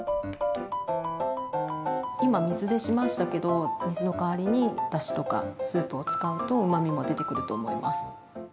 今水でしましたけど水の代わりにだしとかスープを使うとうまみも出てくると思います。